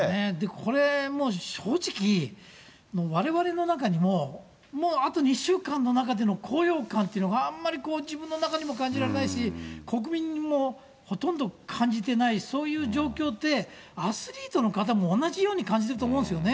これもう、正直、われわれの中にも、もうあと２週間の中での高揚感っていうのがあんまり自分の中でも感じられないし、国民もほとんど感じてない、そういう状況で、アスリートの方も同じように感じると思うんですよね。